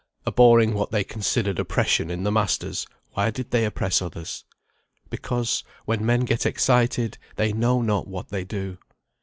Abhorring what they considered oppression in the masters, why did they oppress others? Because, when men get excited, they know not what they do.